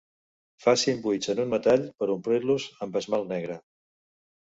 Facin buits en un metall per omplir-los amb esmalt negre.